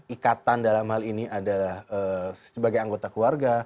ikatan dalam hal ini adalah sebagai anggota keluarga